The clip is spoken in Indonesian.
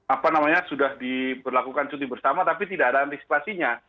apa namanya sudah diberlakukan cuti bersama tapi tidak ada antisipasinya